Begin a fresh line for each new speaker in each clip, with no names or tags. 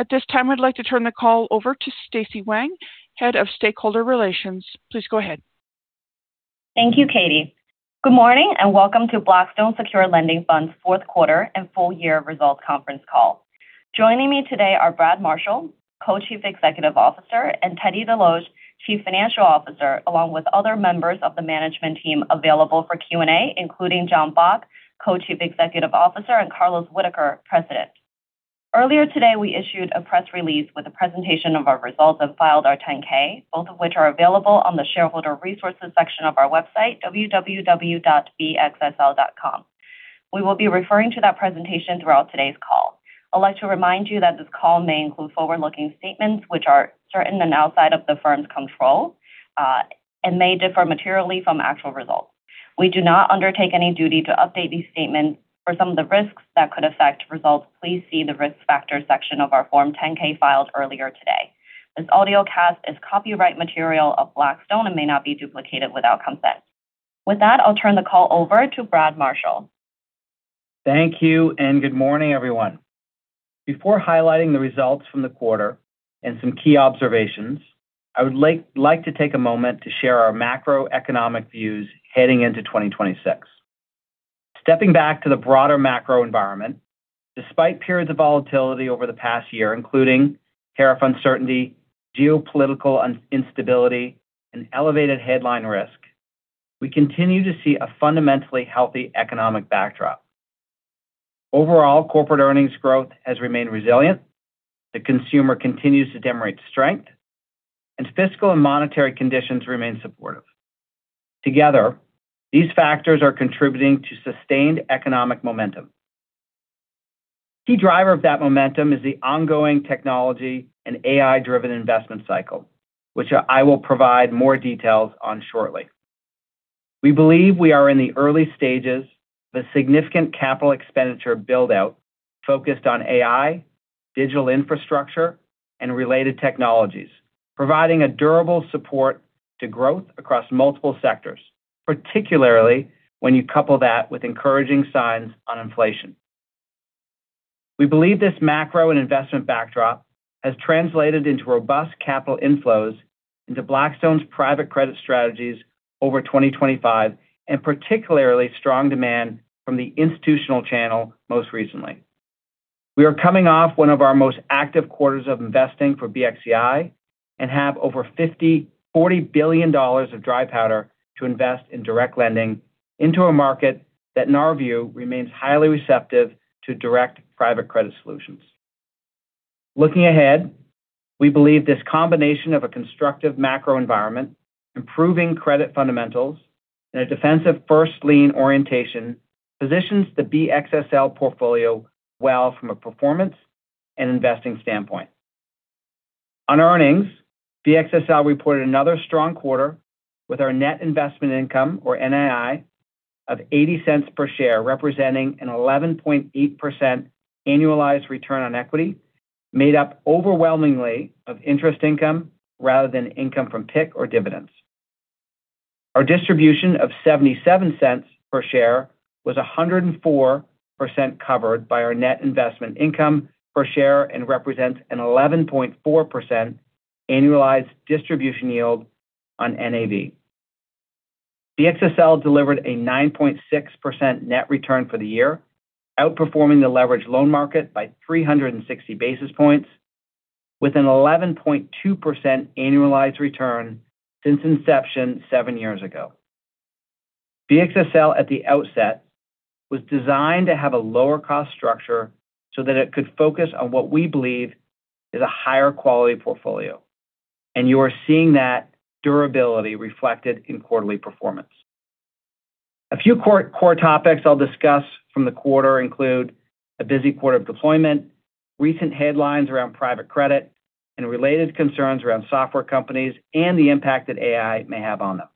At this time, I'd like to turn the call over to Stacy Wang, Head of Stakeholder Relations. Please go ahead.
Thank you, Katie. Good morning, and welcome to Blackstone Secured Lending Fund's fourth quarter and full year results conference call. Joining me today are Brad Marshall, Co-Chief Executive Officer, and Teddy Desloge, Chief Financial Officer, along with other members of the management team available for Q&A, including Jonathan Bock, Co-Chief Executive Officer, and Carlos Whitaker, President. Earlier today, we issued a press release with a presentation of our results and filed our 10-K, both of which are available on the Shareholder Resources section of our website, www.bxsl.com. We will be referring to that presentation throughout today's call. I'd like to remind you that this call may include forward-looking statements which are certain and outside of the firm's control, and may differ materially from actual results. We do not undertake any duty to update these statements. For some of the risks that could affect results, please see the Risk Factors section of our Form 10-K filed earlier today. This audiocast is copyright material of Blackstone and may not be duplicated without consent. With that, I'll turn the call over to Brad Marshall.
Thank you. Good morning, everyone. Before highlighting the results from the quarter and some key observations, I would like to take a moment to share our macroeconomic views heading into 2026. Stepping back to the broader macro environment, despite periods of volatility over the past year, including tariff uncertainty, geopolitical instability, and elevated headline risk, we continue to see a fundamentally healthy economic backdrop. Overall, corporate earnings growth has remained resilient, the consumer continues to demonstrate strength, fiscal and monetary conditions remain supportive. Together, these factors are contributing to sustained economic momentum. Key driver of that momentum is the ongoing technology and AI-driven investment cycle, which I will provide more details on shortly. We believe we are in the early stages of a significant capital expenditure build-out focused on AI, digital infrastructure, and related technologies, providing a durable support to growth across multiple sectors, particularly when you couple that with encouraging signs on inflation. We believe this macro and investment backdrop has translated into robust capital inflows into Blackstone's private credit strategies over 2025, and particularly strong demand from the institutional channel most recently. We are coming off one of our most active quarters of investing for BXCI and have over $50, $40 billion of dry powder to invest in direct lending into a market that, in our view, remains highly receptive to direct private credit solutions. Looking ahead, we believe this combination of a constructive macro environment, improving credit fundamentals, and a defensive first lien orientation positions the BXSL portfolio well from a performance and investing standpoint. On earnings, BXSL reported another strong quarter with our net investment income, or NII, of $0.80 per share, representing an 11.8% annualized return on equity, made up overwhelmingly of interest income rather than income from PIK or dividends. Our distribution of $0.77 per share was 104% covered by our net investment income per share and represents an 11.4% annualized distribution yield on NAV. BXSL delivered a 9.6% net return for the year, outperforming the leveraged loan market by 360 basis points with an 11.2% annualized return since inception seven years ago. BXSL, at the outset, was designed to have a lower cost structure so that it could focus on what we believe is a higher quality portfolio. You are seeing that durability reflected in quarterly performance. A few core topics I'll discuss from the quarter include a busy quarter of deployment, recent headlines around private credit, related concerns around software companies and the impact that AI may have on them.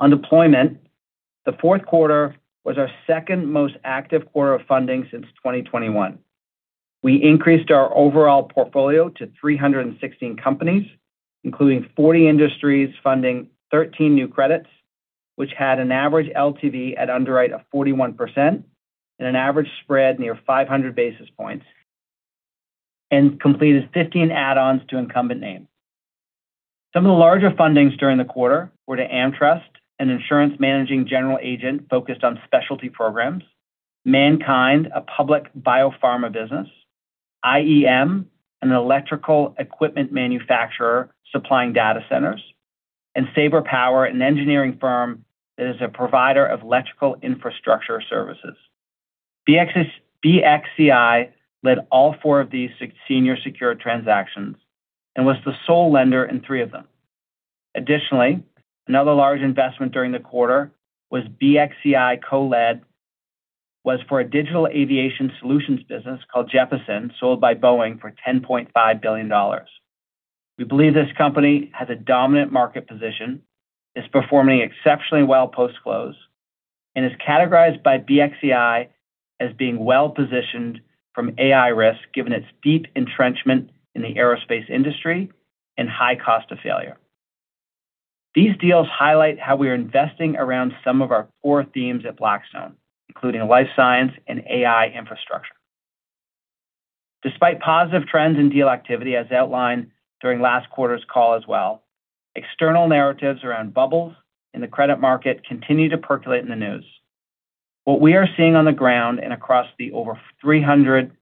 On deployment, the fourth quarter was our second most active quarter of funding since 2021. We increased our overall portfolio to 316 companies, including 40 industries, funding 13 new credits, which had an average LTV at underwrite of 41% and an average spread near 500 basis points, and completed 15 add-ons to incumbent names. Some of the larger fundings during the quarter were to AmTrust, an insurance managing general agent focused on specialty programs, MannKind, a public biopharma business, IEM, an electrical equipment manufacturer supplying data centers, and Sabre Power, an engineering firm that is a provider of electrical infrastructure services. BXCI led all four of these six senior secured transactions and was the sole lender in three of them. Additionally, another large investment during the quarter was for a digital aviation solutions business called Jeppesen, sold by Boeing for $10.5 billion. We believe this company has a dominant market position, is performing exceptionally well post-close, and is categorized by BXCI as being well-positioned from AI risk, given its deep entrenchment in the aerospace industry and high cost of failure. These deals highlight how we are investing around some of our core themes at Blackstone, including life science and AI infrastructure. Despite positive trends in deal activity, as outlined during last quarter's call as well, external narratives around bubbles in the credit market continue to percolate in the news. What we are seeing on the ground and across the over 300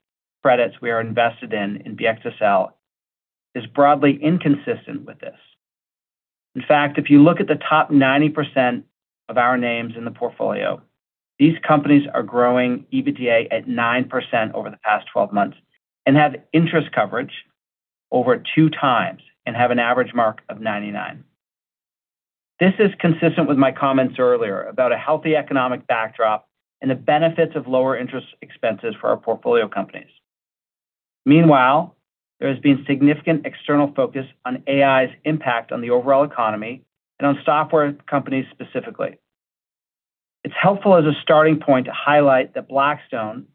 credits we are invested in in BXSL, is broadly inconsistent with this. In fact, if you look at the top 90% of our names in the portfolio, these companies are growing EBITDA at 9% over the past 12 months and have interest coverage over two times and have an average mark of 99. This is consistent with my comments earlier about a healthy economic backdrop and the benefits of lower interest expenses for our portfolio companies. Meanwhile, there has been significant external focus on AI's impact on the overall economy and on software companies specifically. It's helpful as a starting point to highlight that Blackstone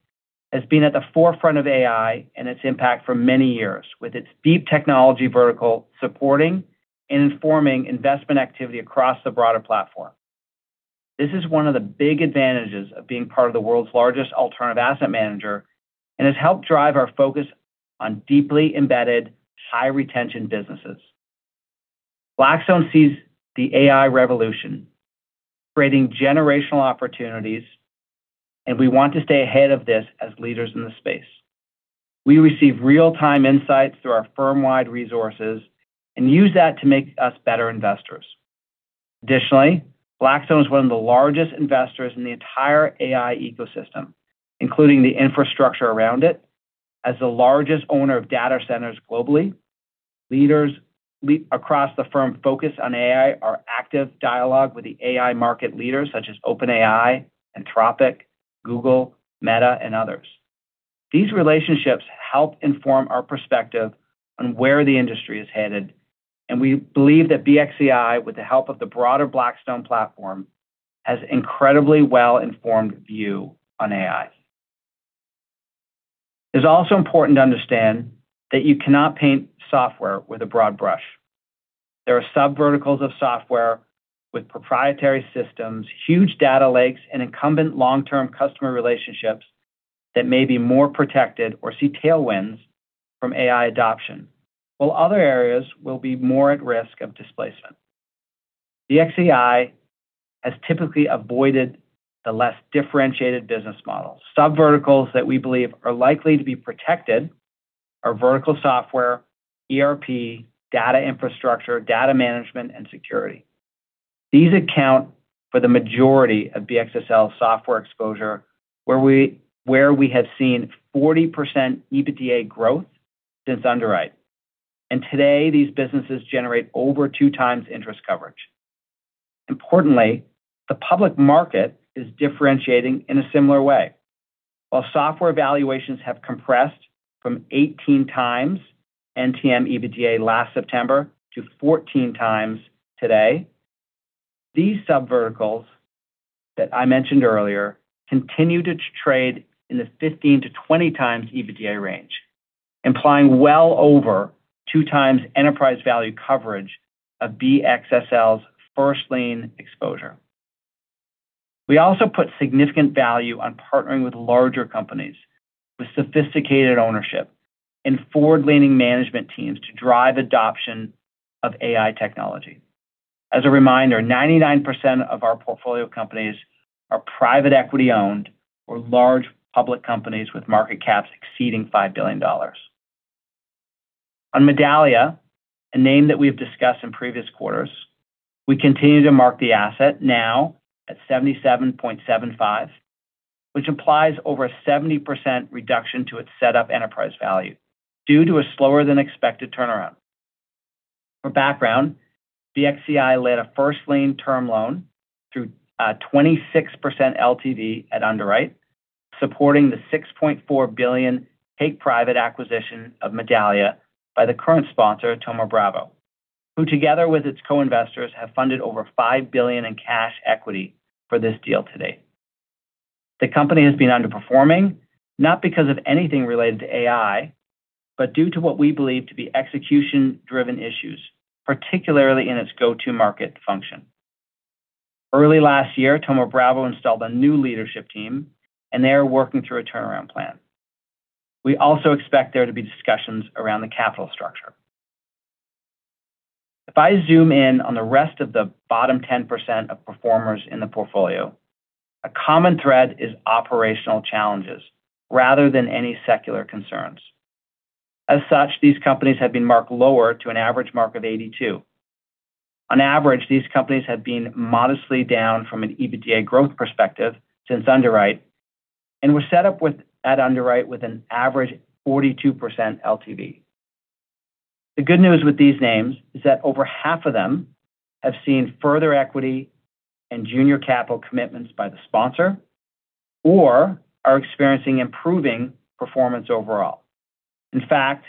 has been at the forefront of AI and its impact for many years, with its deep technology vertical supporting and informing investment activity across the broader platform. This is one of the big advantages of being part of the world's largest alternative asset manager and has helped drive our focus on deeply embedded, high-retention businesses. Blackstone sees the AI revolution creating generational opportunities, and we want to stay ahead of this as leaders in the space. We receive real-time insights through our firm-wide resources and use that to make us better investors. Additionally, Blackstone is one of the largest investors in the entire AI ecosystem, including the infrastructure around it, as the largest owner of data centers globally. Leaders across the firm focus on AI are active dialogue with the AI market leaders such as OpenAI, Anthropic, Google, Meta, and others. These relationships help inform our perspective on where the industry is headed, and we believe that BXCI, with the help of the broader Blackstone platform, has incredibly well-informed view on AI. It's also important to understand that you cannot paint software with a broad brush. There are subverticals of software with proprietary systems, huge data lakes, and incumbent long-term customer relationships that may be more protected or see tailwinds from AI adoption, while other areas will be more at risk of displacement. BXCI has typically avoided the less differentiated business models. Subverticals that we believe are likely to be protected are vertical software, ERP, data infrastructure, data management, and security. These account for the majority of BXSL software exposure, where we have seen 40% EBITDA growth since underwrite. Today, these businesses generate over two times interest coverage. Importantly, the public market is differentiating in a similar way. While software valuations have compressed from 18x NTM EBITDA last September to 14x today, these subverticals that I mentioned earlier continue to trade in the 15x-20x EBITDA range, implying well over 2x enterprise value coverage of BXSL's first lien exposure. We also put significant value on partnering with larger companies with sophisticated ownership and forward-leaning management teams to drive adoption of AI technology. As a reminder, 99% of our portfolio companies are private equity-owned or large public companies with market caps exceeding $5 billion. On Medallia, a name that we've discussed in previous quarters, we continue to mark the asset now at 77.75, which implies over a 70% reduction to its set up enterprise value due to a slower than expected turnaround. For background, BXCI laid a first lien term loan through a 26% LTV at underwrite, supporting the $6.4 billion take private acquisition of Medallia by the current sponsor, Thoma Bravo, who, together with its co-investors, have funded over $5 billion in cash equity for this deal today. The company has been underperforming, not because of anything related to AI, but due to what we believe to be execution-driven issues, particularly in its go-to-market function. Early last year, Thoma Bravo installed a new leadership team. They are working through a turnaround plan. We also expect there to be discussions around the capital structure. If I zoom in on the rest of the bottom 10% of performers in the portfolio, a common thread is operational challenges rather than any secular concerns. As such, these companies have been marked lower to an average mark of 82. On average, these companies have been modestly down from an EBITDA growth perspective since underwrite and were set up with, at underwrite with an average 42% LTV. The good news with these names is that over half of them have seen further equity and junior capital commitments by the sponsor or are experiencing improving performance overall. In fact,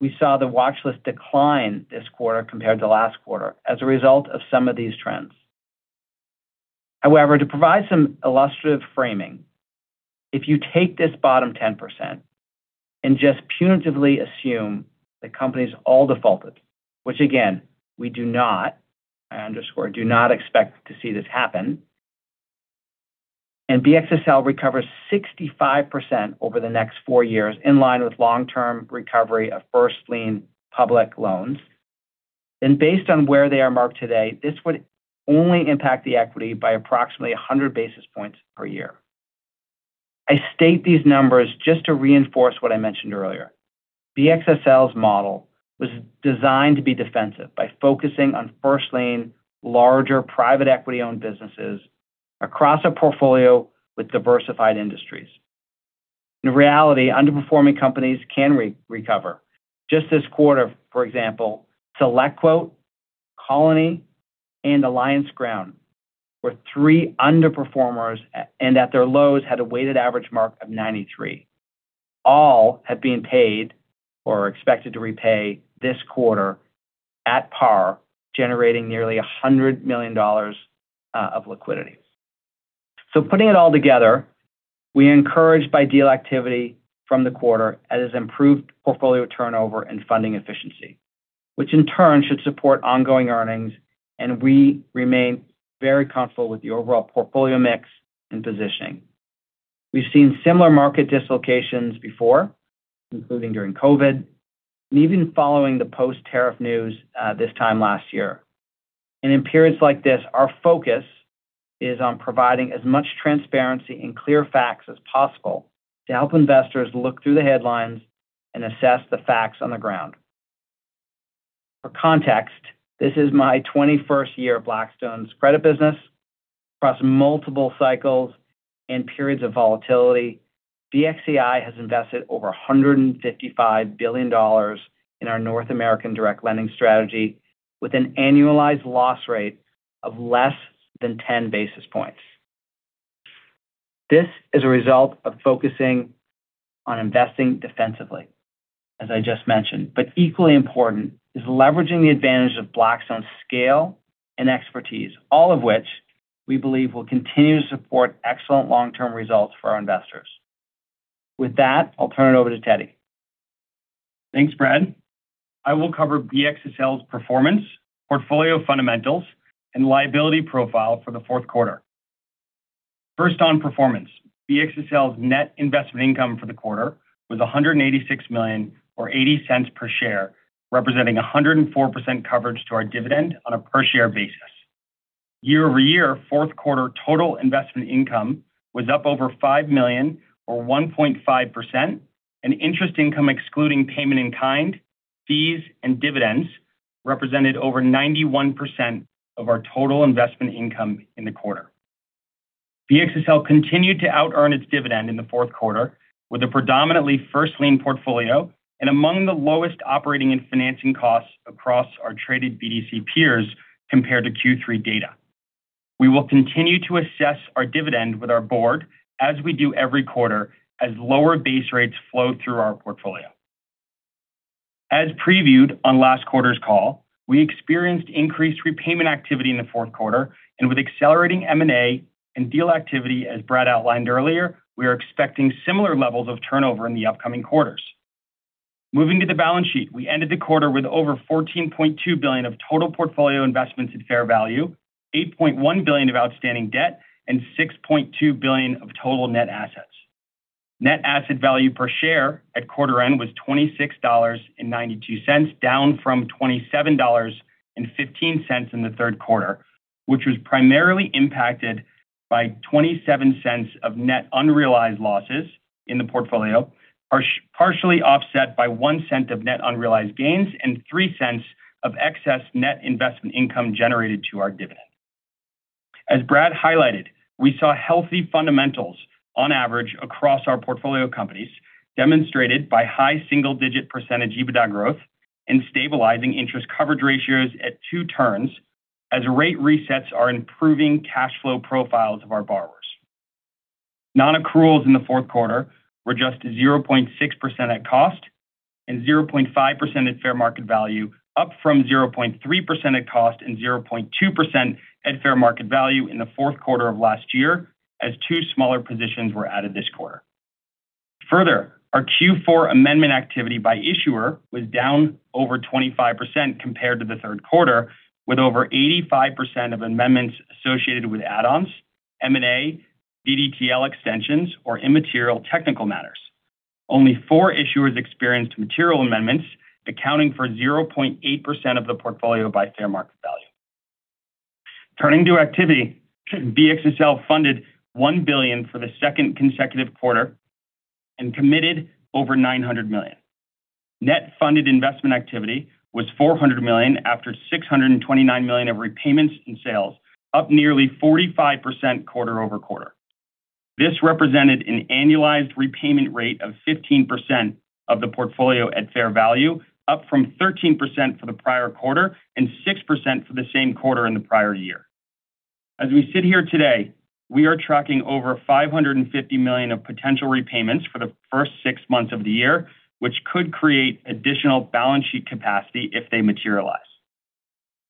we saw the watchlist decline this quarter compared to last quarter as a result of some of these trends. However, to provide some illustrative framing, if you take this bottom 10% and just punitively assume the companies all defaulted, which again, we do not, I underscore, do not expect to see this happen, and BXSL recovers 65% over the next four years, in line with long-term recovery of first lien public loans. Based on where they are marked today, this would only impact the equity by approximately 100 basis points per year. I state these numbers just to reinforce what I mentioned earlier. BXSL's model was designed to be defensive by focusing on first lien, larger, private equity-owned businesses across a portfolio with diversified industries. In reality, underperforming companies can re-recover. Just this quarter, for example, SelectQuote, Colony, and AllianceGround were three underperformers, and at their lows, had a weighted average mark of 93. All have been paid or are expected to repay this quarter at par, generating nearly $100 million of liquidity. Putting it all together, we are encouraged by deal activity from the quarter as improved portfolio turnover and funding efficiency, which in turn should support ongoing earnings, and we remain very comfortable with the overall portfolio mix and positioning. We've seen similar market dislocations before, including during COVID, and even following the post-tariff news this time last year. In periods like this, our focus is on providing as much transparency and clear facts as possible to help investors look through the headlines and assess the facts on the ground. For context, this is my 21st year at Blackstone's credit business. Across multiple cycles and periods of volatility, BXCI has invested over $155 billion in our North American direct lending strategy, with an annualized loss rate of less than 10 basis points. This is a result of focusing on investing defensively, as I just mentioned. Equally important is leveraging the advantage of Blackstone's scale and expertise, all of which we believe will continue to support excellent long-term results for our investors. With that, I'll turn it over to Teddy.
Thanks, Brad. I will cover BXSL's performance, portfolio fundamentals, and liability profile for the fourth quarter. On performance, BXSL's net investment income for the quarter was $186 million or $0.80 per share, representing 104% coverage to our dividend on a per-share basis. Year-over-year, fourth quarter total investment income was up over $5 million or 1.5%, and interest income excluding payment in kind, fees, and dividends represented over 91% of our total investment income in the quarter. BXSL continued to outearn its dividend in the fourth quarter with a predominantly first lien portfolio and among the lowest operating and financing costs across our traded BDC peers compared to Q3 data. We will continue to assess our dividend with our board as we do every quarter, as lower base rates flow through our portfolio. As previewed on last quarter's call, we experienced increased repayment activity in the fourth quarter. With accelerating M&A and deal activity, as Brad outlined earlier, we are expecting similar levels of turnover in the upcoming quarters. Moving to the balance sheet, we ended the quarter with over $14.2 billion of total portfolio investments at fair value, $8.1 billion of outstanding debt, and $6.2 billion of total net assets. Net asset value per share at quarter end was $26.92, down from $27.15 in the third quarter, which was primarily impacted by $0.27 of net unrealized losses in the portfolio, partially offset by $0.01 of net unrealized gains and $0.03 of excess net investment income generated to our dividend. As Brad highlighted, we saw healthy fundamentals on average across our portfolio companies, demonstrated by high single-digit % EBITDA growth and stabilizing interest coverage ratios at two turns as rate resets are improving cash flow profiles of our borrowers. Non-accruals in the fourth quarter were just 0.6% at cost and 0.5% at fair market value, up from 0.3% at cost and 0.2% at fair market value in the fourth quarter of last year, as two smaller positions were added this quarter. Our Q4 amendment activity by issuer was down over 25% compared to the third quarter, with over 85% of amendments associated with add-ons, M&A, DDTL extensions, or immaterial technical matters. Only four issuers experienced material amendments, accounting for 0.8% of the portfolio by fair market value. Turning to activity, BXSL funded $1 billion for the second consecutive quarter and committed over $900 million. Net funded investment activity was $400 million, after $629 million of repayments and sales, up nearly 45% quarter-over-quarter. This represented an annualized repayment rate of 15% of the portfolio at fair value, up from 13% for the prior quarter and 6% for the same quarter in the prior year. As we sit here today. We are tracking over $550 million of potential repayments for the first six months of the year, which could create additional balance sheet capacity if they materialize.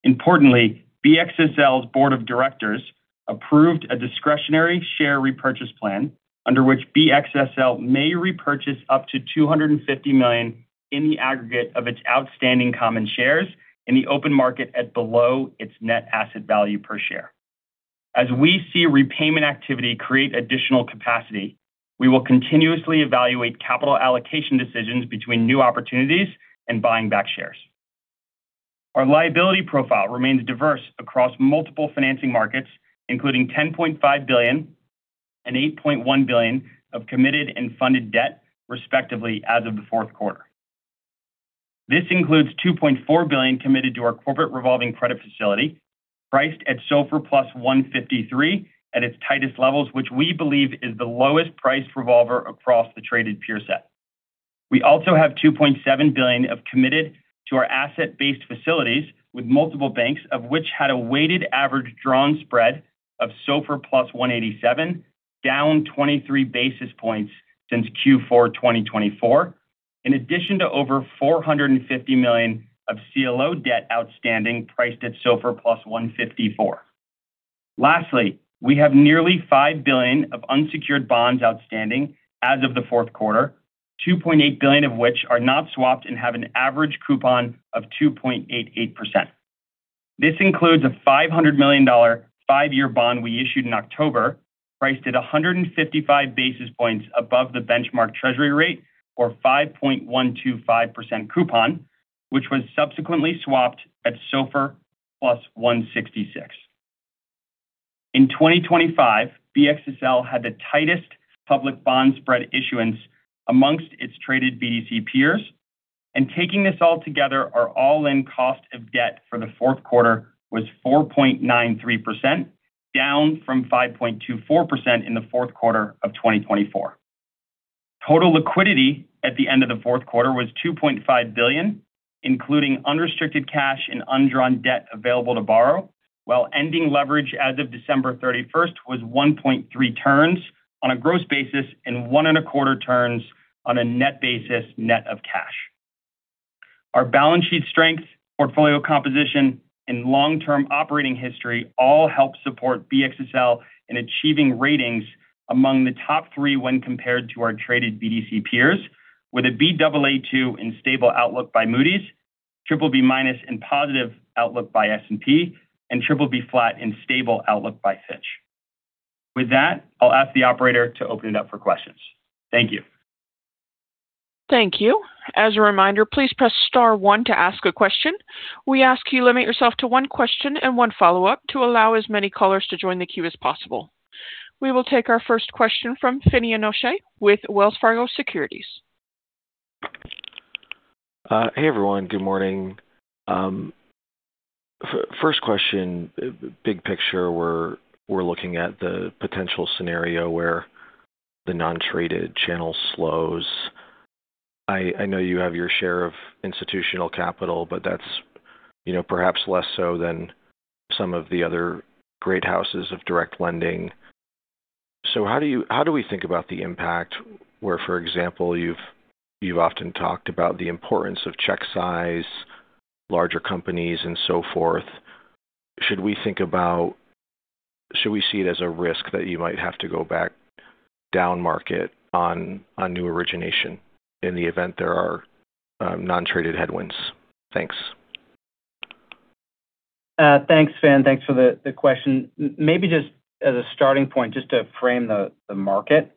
Importantly, BXSL's board of directors approved a discretionary share repurchase plan under which BXSL may repurchase up to $250 million in the aggregate of its outstanding common shares in the open market at below its net asset value per share. As we see repayment activity create additional capacity, we will continuously evaluate capital allocation decisions between new opportunities and buying back shares. Our liability profile remains diverse across multiple financing markets, including $10.5 billion and $8.1 billion of committed and funded debt, respectively, as of the fourth quarter. This includes $2.4 billion committed to our corporate revolving credit facility, priced at SOFR plus 153 at its tightest levels, which we believe is the lowest priced revolver across the traded peer set. We also have $2.7 billion of committed to our asset-based facilities, with multiple banks, of which had a weighted average drawn spread of SOFR plus 187, down 23 basis points since Q4 2024. In addition to over $450 million of CLO debt outstanding, priced at SOFR plus 154. We have nearly $5 billion of unsecured bonds outstanding as of the fourth quarter, $2.8 billion of which are not swapped and have an average coupon of 2.88%. This includes a $500 million dollar 5-year bond we issued in October, priced at 155 basis points above the benchmark treasury rate, or 5.125% coupon, which was subsequently swapped at SOFR plus 166. In 2025, BXSL had the tightest public bond spread issuance amongst its traded BDC peers. Taking this all together, our all-in cost of debt for the fourth quarter was 4.93%, down from 5.24% in the fourth quarter of 2024. Total liquidity at the end of the fourth quarter was $2.5 billion, including unrestricted cash and undrawn debt available to borrow, while ending leverage as of December 31st was 1.3 turns on a gross basis and 1.25 turns on a net basis, net of cash. Our balance sheet strength, portfolio composition, and long-term operating history all help support BXSL in achieving ratings among the top three when compared to our traded BDC peers, with a Baa2 in stable outlook by Moody's, BBB- in positive outlook by S&P, and BBB in stable outlook by Fitch. With that, I'll ask the operator to open it up for questions. Thank you.
Thank you. As a reminder, please press star one to ask a question. We ask you limit yourself to one question and one follow-up to allow as many callers to join the queue as possible. We will take our first question from Finian O'Shea with Wells Fargo Securities.
Hey, everyone. Good morning. First question, big picture, we're looking at the potential scenario where the non-traded channel slows. I know you have your share of institutional capital, but that's, you know, perhaps less so than some of the other great houses of direct lending. How do we think about the impact, where, for example, you've often talked about the importance of check size, larger companies, and so forth. Should we see it as a risk that you might have to go back down market on new origination in the event there are non-traded headwinds? Thanks.
Thanks, Finn. Thanks for the question. Maybe just as a starting point, just to frame the market.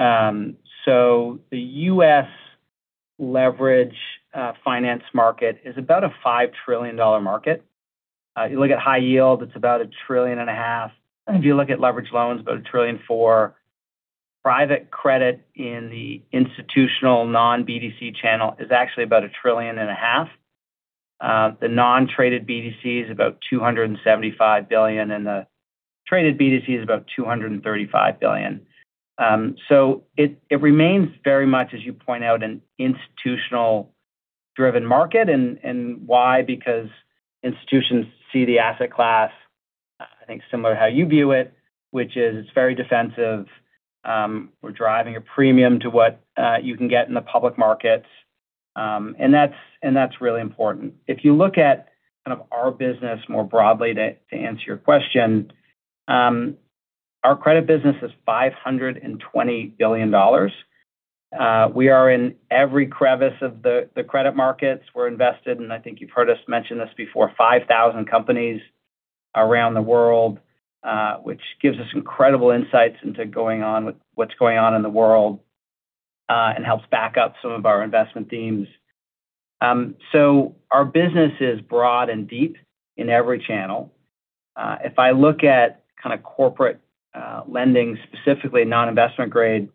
So the U.S. leverage finance market is about a $5 trillion market. You look at high yield, it's about a $1.5 trillion, and if you look at leverage loans, about a $1 trillion for private credit in the institutional non-BDC channel is actually about a $1.5 trillion. The non-traded BDC is about $275 billion, and the traded BDC is about $235 billion. So it remains very much, as you point out, an institutional-driven market. Why? Because institutions see the asset class, I think, similar to how you view it, which is it's very defensive. We're driving a premium to what you can get in the public markets. That's, and that's really important. If you look at kind of our business more broadly, to answer your question, our credit business is $520 billion. We are in every crevice of the credit markets. We're invested, and I think you've heard us mention this before, 5,000 companies around the world, which gives us incredible insights into what's going on in the world, and helps back up some of our investment themes. Our business is broad and deep in every channel. If I look at kind of corporate lending, specifically non-investment grade,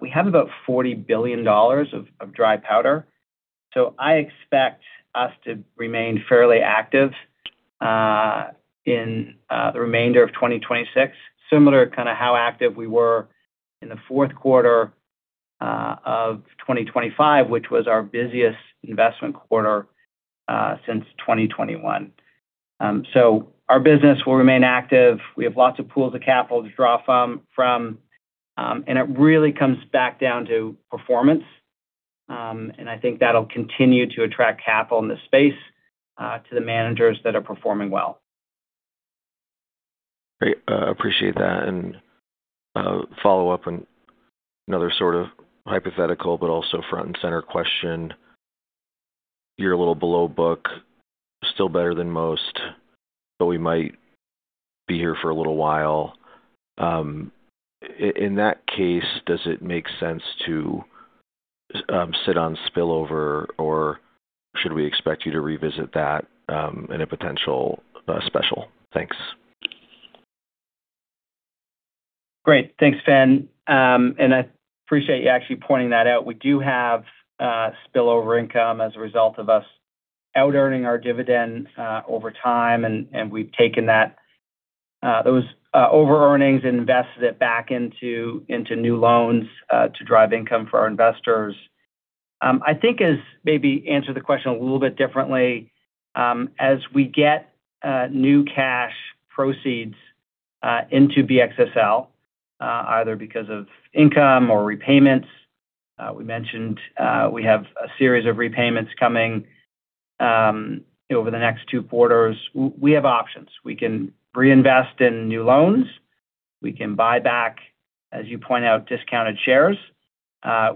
we have about $40 billion of dry powder. I expect us to remain fairly active, in the remainder of 2026, similar to kind of how active we were in the fourth quarter.... of 2025, which was our busiest investment quarter, since 2021. Our business will remain active. We have lots of pools of capital to draw from, and it really comes back down to performance. I think that'll continue to attract capital in this space, to the managers that are performing well.
Great. Appreciate that. Follow-up and another sort of hypothetical, but also front and center question. You're a little below book, still better than most, but we might be here for a little while. In that case, does it make sense to sit on spillover, or should we expect you to revisit that in a potential special? Thanks.
Great. Thanks, Finn. And I appreciate you actually pointing that out. We do have spillover income as a result of us out-earning our dividend over time, and we've taken those over-earnings and invested it back into new loans to drive income for our investors. I think as maybe answer the question a little bit differently, as we get new cash proceeds into BXSL, either because of income or repayments, we mentioned we have a series of repayments coming over the next two quarters. We have options. We can reinvest in new loans, we can buy back, as you point out, discounted shares,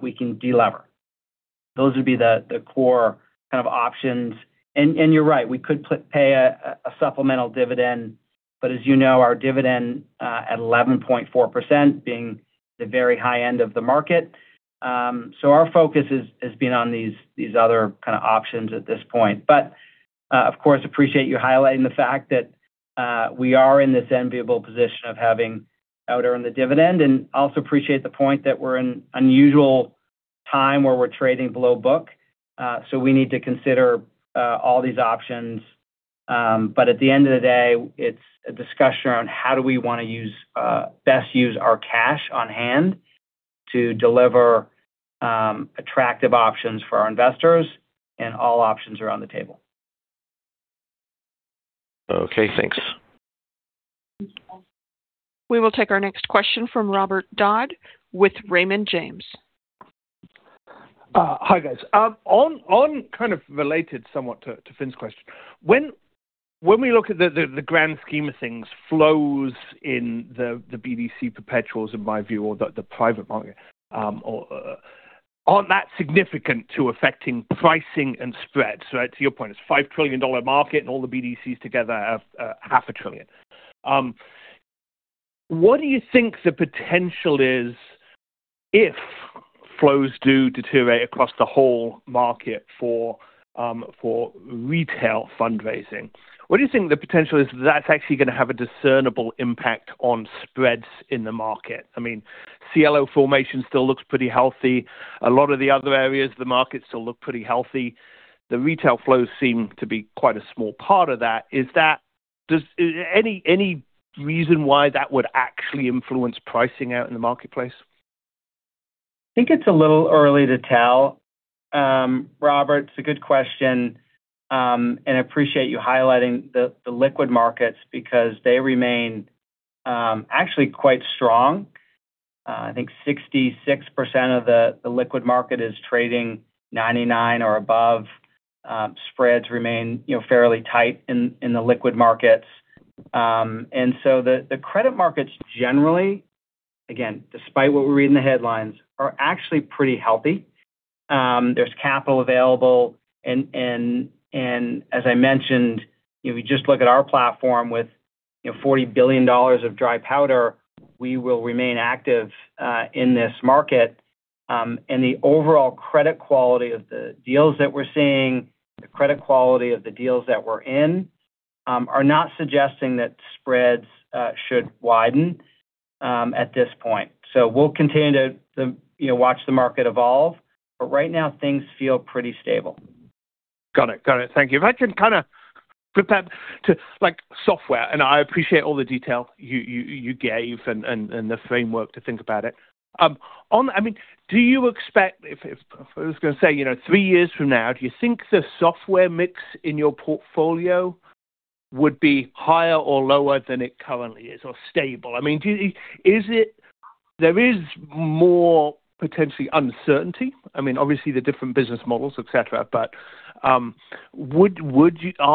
we can delever. Those would be the core kind of options. You're right, we could pay a supplemental dividend, but as you know, our dividend, at 11.4% being the very high end of the market. Our focus has been on these other kinda options at this point. Of course, appreciate you highlighting the fact that we are in this enviable position of having outearn the dividend, and also appreciate the point that we're in unusual time where we're trading below book. We need to consider all these options. At the end of the day, it's a discussion around how do we want to best use our cash on hand to deliver attractive options for our investors, and all options are on the table.
Okay, thanks.
We will take our next question from Robert Dodd with Raymond James.
Hi, guys. On kind of related somewhat to Finn's question. When we look at the grand scheme of things, flows in the BDC perpetuals, in my view, or the private market, or... Aren't that significant to affecting pricing and spreads, right? To your point, it's $5 trillion market, and all the BDCs together have half a trillion. What do you think the potential is if flows do deteriorate across the whole market for retail fundraising? What do you think the potential is that's actually going to have a discernible impact on spreads in the market? I mean, CLO formation still looks pretty healthy. A lot of the other areas of the market still look pretty healthy. The retail flows seem to be quite a small part of that. Any reason why that would actually influence pricing out in the marketplace?
I think it's a little early to tell. Robert, it's a good question, appreciate you highlighting the liquid markets because they remain actually quite strong. I think 66% of the liquid market is trading 99 or above. Spreads remain, you know, fairly tight in the liquid markets. The credit markets generally, again, despite what we read in the headlines, are actually pretty healthy. There's capital available. As I mentioned, if you just look at our platform with, you know, $40 billion of dry powder, we will remain active in this market. The overall credit quality of the deals that we're seeing, the credit quality of the deals that we're in, are not suggesting that spreads should widen at this point. We'll continue to, you know, watch the market evolve, but right now, things feel pretty stable.
Got it. Thank you. If I can kinda flip back to, like, software, and I appreciate all the detail you gave and the framework to think about it. On... I mean, do you expect if I was going to say, you know, three years from now, do you think the software mix in your portfolio would be higher or lower than it currently is, or stable? I mean, there is more potentially uncertainty. I mean, obviously, the different business models, et cetera, but, are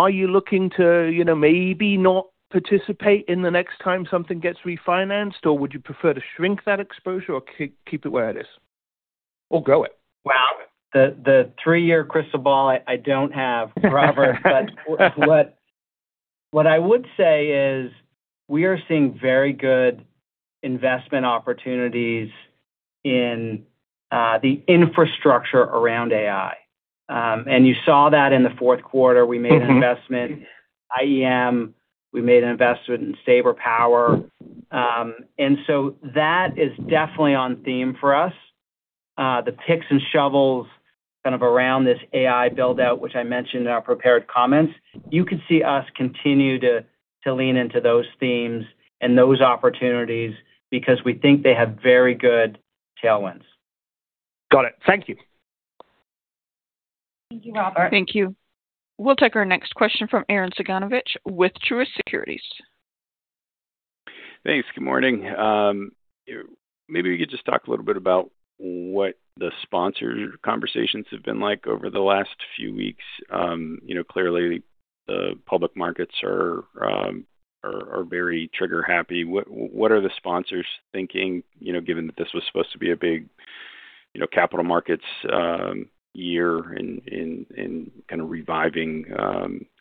you looking to, you know, maybe not participate in the next time something gets refinanced, or would you prefer to shrink that exposure or keep it where it is? Or grow it?
The three-year crystal ball, I don't have, Robert. What I would say is we are seeing very good investment opportunities in the infrastructure around AI. You saw that in the fourth quarter.
Mm-hmm.
-we made an investment, IEM, we made an investment in Sabre Power. That is definitely on theme for us. The picks and shovels kind of around this AI build-out, which I mentioned in our prepared comments, you could see us continue to lean into those themes and those opportunities because we think they have very good tailwinds.
Got it. Thank you.
Thank you, Robert.
Thank you. We'll take our next question from Aaren Cyganovich with Truist Securities.
Thanks. Good morning. Maybe you could just talk a little bit about what the sponsor conversations have been like over the last few weeks? You know, clearly, the public markets are very trigger-happy. What are the sponsors thinking, you know, given that this was supposed to be a big, you know, capital markets, year in kind of reviving,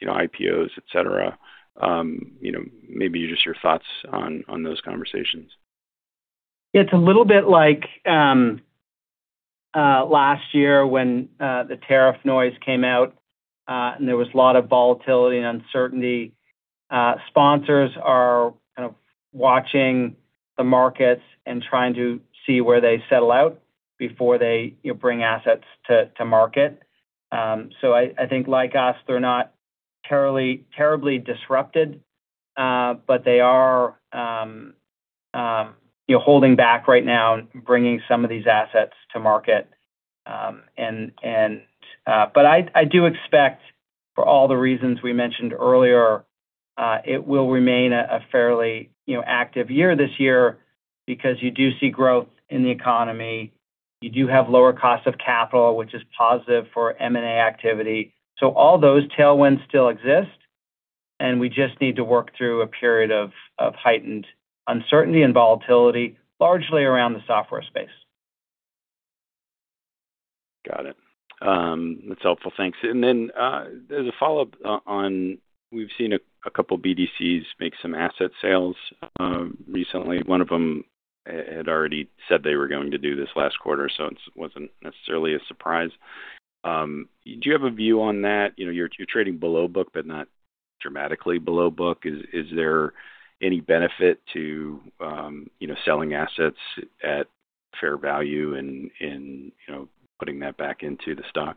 you know, IPOs, et cetera? You know, maybe just your thoughts on those conversations?
It's a little bit like last year when the tariff noise came out and there was a lot of volatility and uncertainty. Sponsors are kind of watching the markets and trying to see where they settle out before they, you know, bring assets to market. So I think like us, they're not terribly disrupted, but they are, you know, holding back right now in bringing some of these assets to market. I do expect, for all the reasons we mentioned earlier, it will remain a fairly, you know, active year this year because you do see growth in the economy. You do have lower costs of capital, which is positive for M&A activity. All those tailwinds still exist, and we just need to work through a period of heightened uncertainty and volatility, largely around the software space.
Got it. That's helpful. Thanks. As a follow-up on, we've seen a couple BDCs make some asset sales recently. One of them had already said they were going to do this last quarter, so it wasn't necessarily a surprise. Do you have a view on that? You know, you're trading below book, but not dramatically below book. Is there any benefit to, you know, selling assets at fair value and, you know, putting that back into the stock?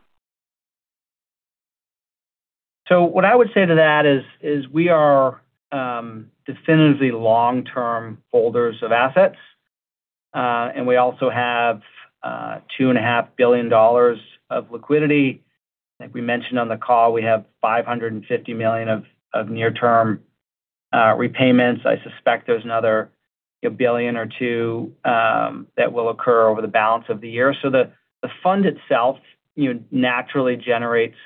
What I would say to that is, we are definitively long-term holders of assets, and we also have $2.5 billion of liquidity. Like we mentioned on the call, we have $550 million of near-term repayments. I suspect there's another a billion or two that will occur over the balance of the year. The fund itself, you know, naturally generates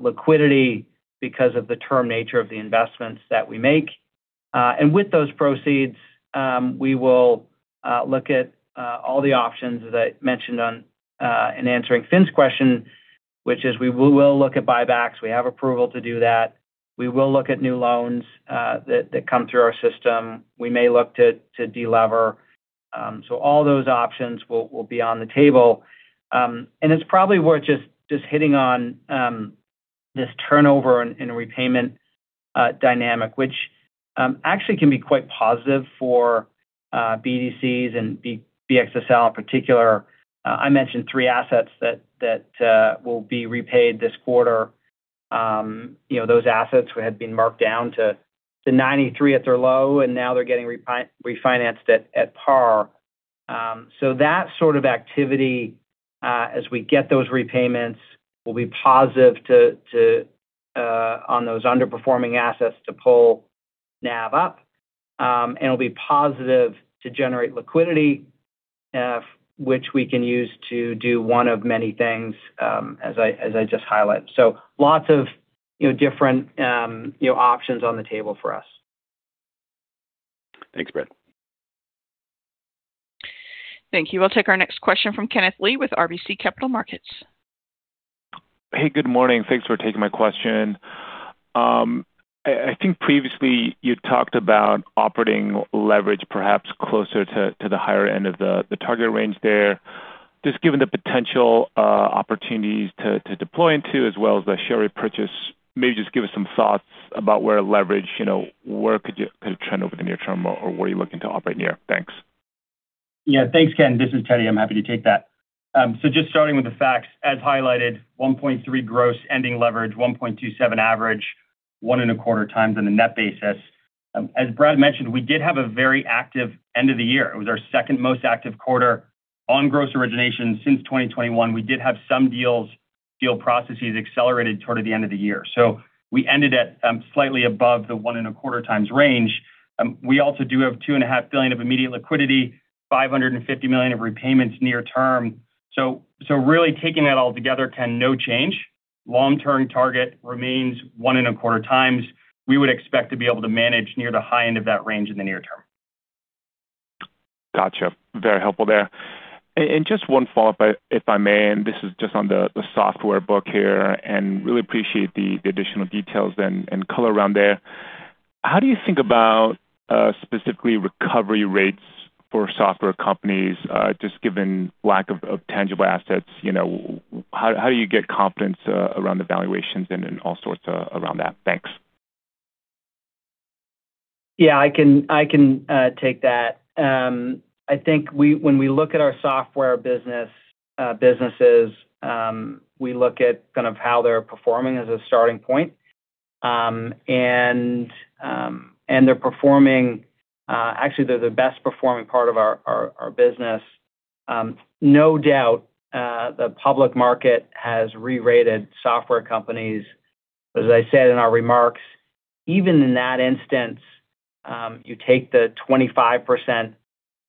liquidity because of the term nature of the investments that we make. And with those proceeds, we will look at all the options that I mentioned in answering Finn's question, which is we will look at buybacks. We have approval to do that. We will look at new loans that come through our system. We may look to de-lever. All those options will be on the table. It's probably worth just hitting on this turnover and repayment dynamic, which actually can be quite positive for BDCs and BXSL in particular. I mentioned three assets that will be repaid this quarter. You know, those assets had been marked down to 93 at their low, and now they're getting refinanced at par. That sort of activity, as we get those repayments, will be positive to on those underperforming assets to pull NAV up. It'll be positive to generate liquidity, which we can use to do one of many things, as I just highlighted. Lots of, you know, different, you know, options on the table for us.
Thanks, Brad.
Thank you. We'll take our next question from Kenneth Lee with RBC Capital Markets.
Good morning. Thanks for taking my question. I think previously you talked about operating leverage, perhaps closer to the higher end of the target range there. Just given the potential opportunities to deploy into as well as the share repurchase, maybe just give us some thoughts about where leverage, you know, where could you kind of trend over the near term, or where are you looking to operate near? Thanks.
Yeah. Thanks, Ken. This is Teddy. I'm happy to take that. Just starting with the facts, as highlighted, 1.3 gross ending leverage, 1.27 average, 1.25 times on a net basis. As Brad mentioned, we did have a very active end of the year. It was our second most active quarter on gross origination since 2021. We did have some deals, deal processes accelerated toward the end of the year. We ended at, slightly above the 1.25 times range. We also do have $2.5 billion of immediate liquidity, $550 million of repayments near term. Really taking that all together, Ken, no change. Long-term target remains 1.25 times. We would expect to be able to manage near the high end of that range in the near term.
Gotcha. Very helpful there. Just one follow-up, if I may, and this is just on the software book here, and really appreciate the additional details and color around there. How do you think about specifically recovery rates for software companies, just given lack of tangible assets, you know, how do you get confidence around the valuations and in all sorts of around that? Thanks.
Yeah, I can, I can take that. I think when we look at our software business, businesses, we look at kind of how they're performing as a starting point. They're performing... Actually, they're the best performing part of our business. No doubt, the public market has rerated software companies. As I said in our remarks, even in that instance, you take the 25%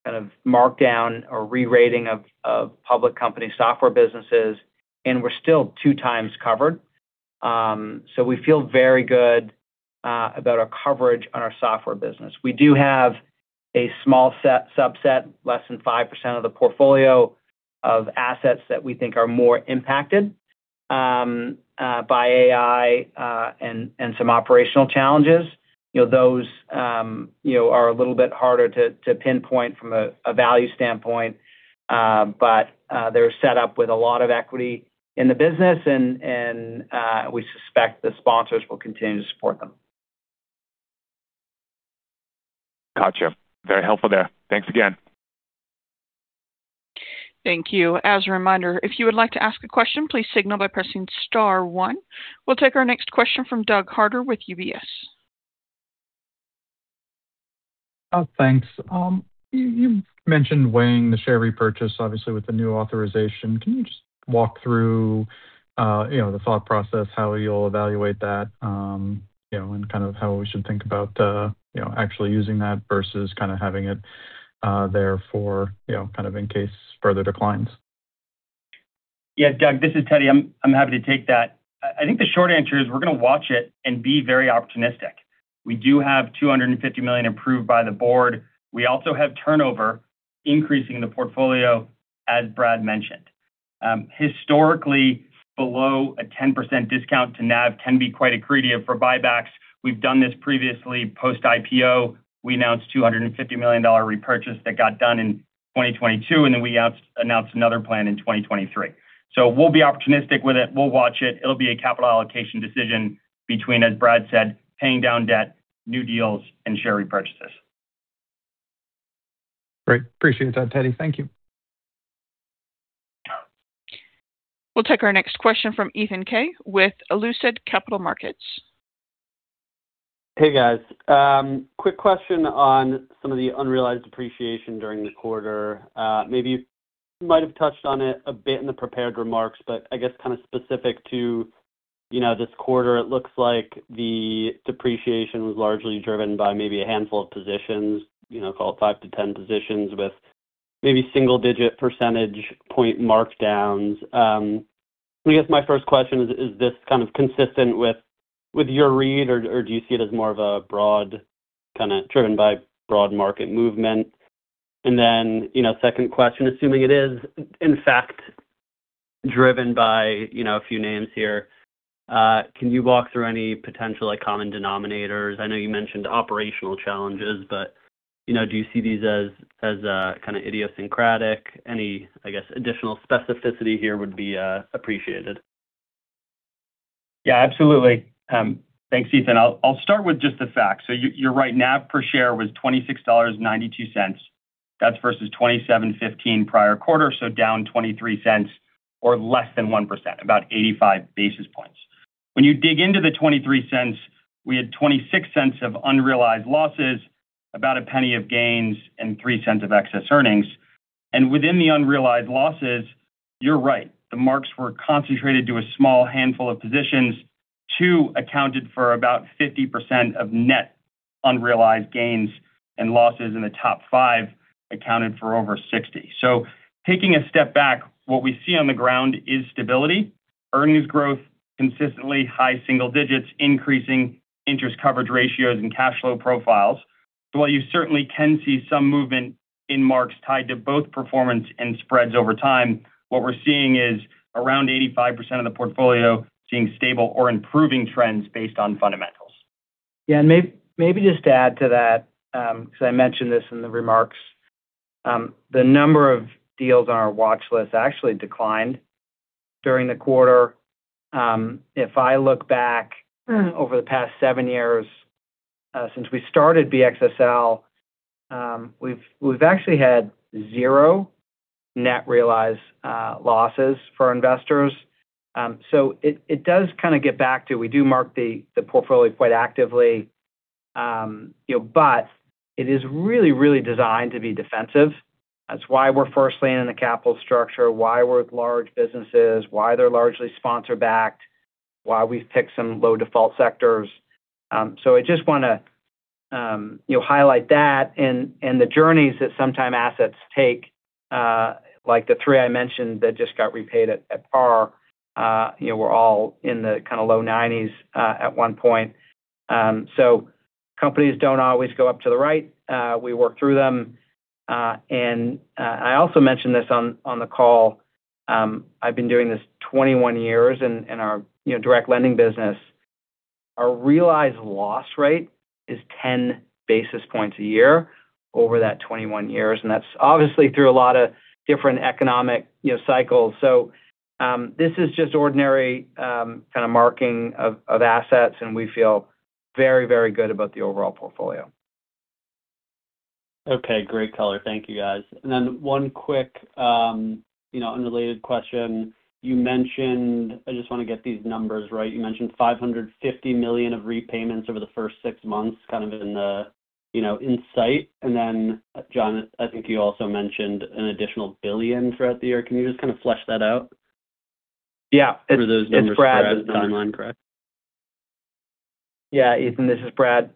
kind of markdown or rerating of public company software businesses, and we're still two times covered. We feel very good about our coverage on our software business. We do have a small subset, less than 5% of the portfolio, of assets that we think are more impacted by AI, and some operational challenges. You know, those, you know, are a little bit harder to pinpoint from a value standpoint, but they're set up with a lot of equity in the business, and we suspect the sponsors will continue to support them.
Gotcha. Very helpful there. Thanks again.
Thank you. As a reminder, if you would like to ask a question, please signal by pressing star one. We'll take our next question from Doug Carter with UBS.
Thanks. You mentioned weighing the share repurchase, obviously, with the new authorization. Can you just walk through, you know, the thought process, how you'll evaluate that, you know, and kind of how we should think about, you know, actually using that versus kind of having it there for, you know, kind of in case further declines?
Yeah, Doug, this is Teddy. I'm happy to take that. I think the short answer is we're gonna watch it and be very opportunistic. We do have $250 million approved by the board. We also have turnover increasing in the portfolio, as Brad mentioned. Historically, below a 10% discount to NAV can be quite accretive for buybacks. We've done this previously post-IPO. We announced $250 million repurchase that got done in 2022, and then we announced another plan in 2023. We'll be opportunistic with it. We'll watch it. It'll be a capital allocation decision between, as Brad said, paying down debt, new deals, and share repurchases.
Great. Appreciate that, Teddy. Thank you.
We'll take our next question from Ethan Kay with Lucid Capital Markets.
Hey, guys. Quick question on some of the unrealized depreciation during the quarter. Maybe you might have touched on it a bit in the prepared remarks, but I guess kind of specific to, you know, this quarter, it looks like the depreciation was largely driven by maybe a handful of positions, you know, call it 5-10 positions with maybe single-digit percentage point markdowns. I guess my first question is: Is this kind of consistent with your read, or do you see it as more of a broad kind of driven by broad market movement? You know, second question: Assuming it is, in fact, driven by, you know, a few names here, can you walk through any potential, like, common denominators? I know you mentioned operational challenges, but, you know, do you see these as kind of idiosyncratic? Any, I guess, additional specificity here would be appreciated.
Yeah, absolutely. Thanks, Ethan. I'll start with just the facts. You're right, NAV per share was $26.92. That's versus $27.15 prior quarter, down $0.23, or less than 1%, about 85 basis points. When you dig into the $0.23, we had $0.26 of unrealized losses, about $0.01 of gains, and $0.03 of excess earnings. Within the unrealized losses, you're right, the marks were concentrated to a small handful of positions. Two accounted for about 50% of net unrealized gains, and losses in the top five accounted for over 60%. Taking a step back, what we see on the ground is stability. Earnings growth, consistently high single digits, increasing interest coverage ratios and cash flow profiles. While you certainly can see some movement in marks tied to both performance and spreads over time, what we're seeing is around 85% of the portfolio seeing stable or improving trends based on fundamentals.
Maybe just to add to that, because I mentioned this in the remarks, the number of deals on our watch list actually declined during the quarter. If I look back over the past seven years, since we started BXSL, we've actually had zero net realized losses for investors. It does kind of get back to we do mark the portfolio quite actively, you know, but it is really, really designed to be defensive. That's why we're first lien in the capital structure, why we're with large businesses, why they're largely sponsor backed, why we've picked some low default sectors. I just wanna, you know, highlight that and the journeys that sometime assets take, like the three I mentioned, that just got repaid at par, you know, were all in the kinda low 90s at one point. Companies don't always go up to the right. We work through them. And I also mentioned this on the call, I've been doing this 21 years in our, you know, direct lending business. Our realized loss rate is 10 basis points a year over that 21 years, and that's obviously through a lot of different economic, you know, cycles. This is just ordinary, kind of marking of assets, and we feel very, very good about the overall portfolio.
Okay, great color. Thank you, guys. Then one quick, you know, unrelated question. You mentioned I just want to get these numbers right. You mentioned $550 million of repayments over the first six months, kind of in the, you know, in sight. Then, John, I think you also mentioned an additional $1 billion throughout the year. Can you just kind of flesh that out?
Yeah, it's Brad this time.
For those numbers down the line, correct?
Yeah, Ethan, this is Brad.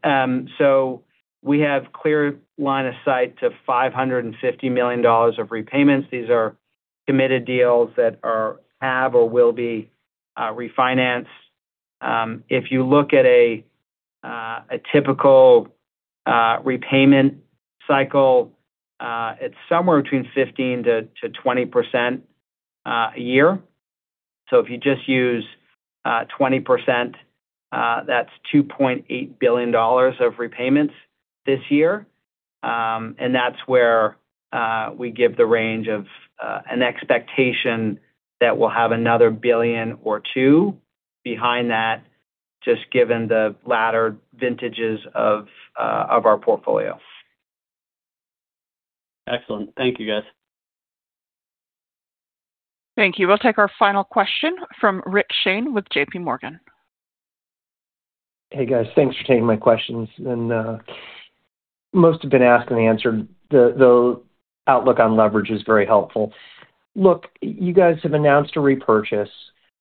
We have clear line of sight to $550 million of repayments. These are committed deals that have or will be refinanced. If you look at a typical repayment cycle, it's somewhere between 15%-20% a year. If you just use 20%, that's $2.8 billion of repayments this year. And that's where we give the range of an expectation that we'll have another $1 billion or two behind that, just given the latter vintages of our portfolio.
Excellent. Thank you, guys.
Thank you. We'll take our final question from Richard Shane with JPMorgan.
Hey, guys. Thanks for taking my questions. Most have been asked and answered. The outlook on leverage is very helpful. Look, you guys have announced a repurchase.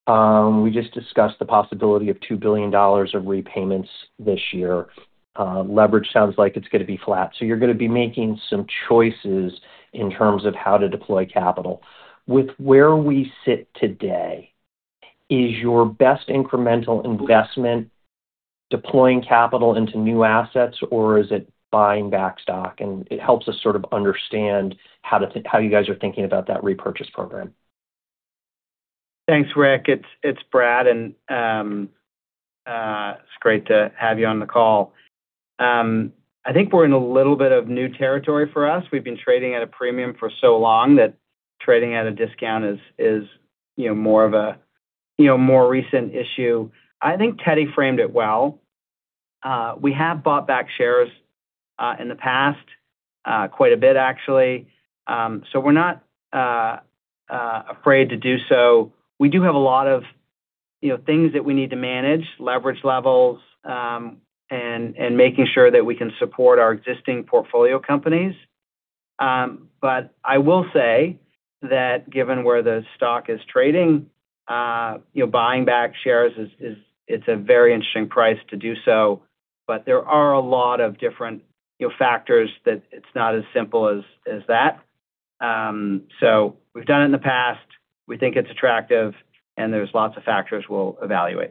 We just discussed the possibility of $2 billion of repayments this year. Leverage sounds like it's going to be flat, so you're going to be making some choices in terms of how to deploy capital. With where we sit today, is your best incremental investment deploying capital into new assets, or is it buying back stock? It helps us sort of understand how you guys are thinking about that repurchase program.
Thanks, Rick. It's Brad, it's great to have you on the call. I think we're in a little bit of new territory for us. We've been trading at a premium for so long that trading at a discount is, you know, more of a, you know, more recent issue. I think Teddy framed it well. We have bought back shares in the past, quite a bit actually. We're not afraid to do so. We do have a lot of, you know, things that we need to manage, leverage levels, and making sure that we can support our existing portfolio companies. I will say that given where the stock is trading, you know, buying back shares is... It's a very interesting price to do so. There are a lot of different, you know, factors that it's not as simple as that. We've done it in the past. We think it's attractive, and there's lots of factors we'll evaluate.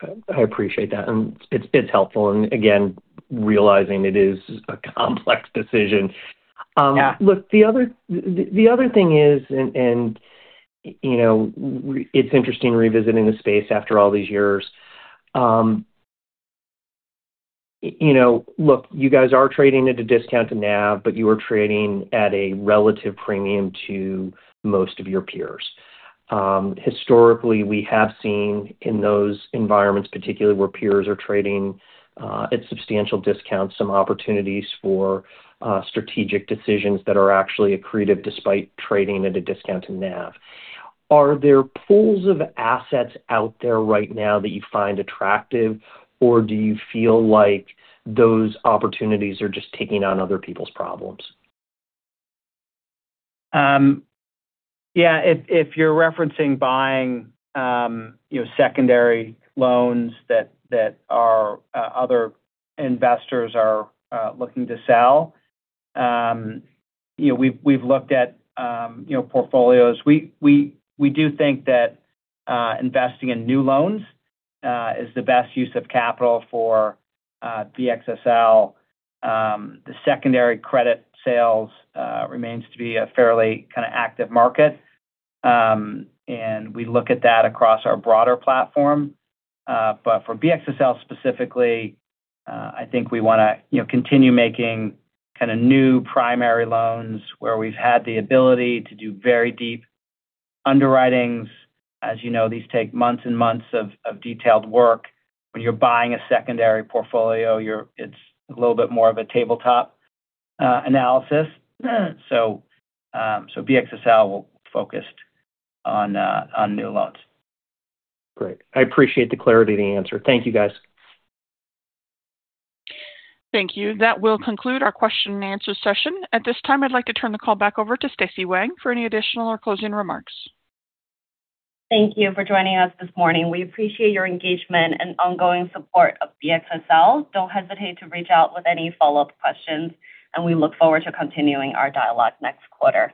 I appreciate that, and it's helpful. Again, realizing it is a complex decision.
Yeah.
Look, the other thing is, you know, it's interesting revisiting the space after all these years. You know, look, you guys are trading at a discount to NAV, but you are trading at a relative premium to most of your peers. Historically, we have seen in those environments, particularly where peers are trading at substantial discounts, some opportunities for strategic decisions that are actually accretive despite trading at a discount to NAV. Are there pools of assets out there right now that you find attractive, or do you feel like those opportunities are just taking on other people's problems?
Yeah, if you're referencing buying, you know, secondary loans that are, other investors are, looking to sell, you know, we've looked at, you know, portfolios. We do think that, investing in new loans, is the best use of capital for BXSL. The secondary credit sales, remains to be a fairly kind of active market. We look at that across our broader platform. For BXSL specifically, I think we want to, you know, continue making kind of new primary loans where we've had the ability to do very deep underwritings. As you know, these take months and months of detailed work. When you're buying a secondary portfolio, it's a little bit more of a tabletop, analysis. BXSL will focused on new loans.
Great. I appreciate the clarity and the answer. Thank you, guys.
Thank you. That will conclude our question and answer session. At this time, I'd like to turn the call back over to Stacy Wang for any additional or closing remarks.
Thank you for joining us this morning. We appreciate your engagement and ongoing support of BXSL. Don't hesitate to reach out with any follow-up questions, and we look forward to continuing our dialogue next quarter.